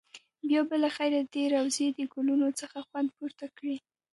بیا به له خیره د روضې د ګلونو څخه خوند پورته کړې.